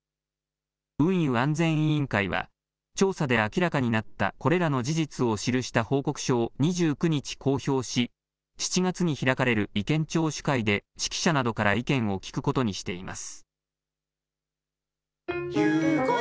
運輸安全委員会は調査で明らかになったこれらの事実を記した報告書を２９日公表し、７月に開かれる意見聴取会で識者などから意見を聞くことにしています。